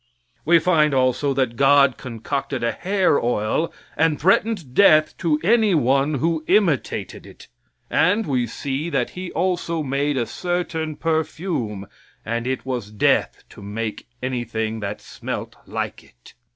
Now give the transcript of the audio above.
We find also that God concocted a hair oil and threatened death to any one who imitated it. And we see that He also made a certain perfume and it was death to make anything that smelt like it.